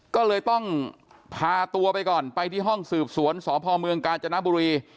ก็เลยต้องพาตัวไปก่อนไปที่ห้องสืบสวนสพเมืองกาญจนบุรี